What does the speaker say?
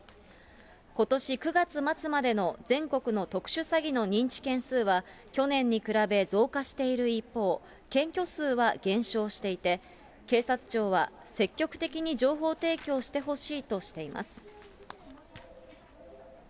ことし９月末までの全国の特殊詐欺の認知件数は、去年に比べ増加している一方、検挙数は減少していて、警察庁は、積極的に情報提供してほしいとしています。